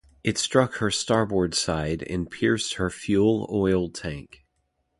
It struck her starboard side and pierced her fuel oil tank.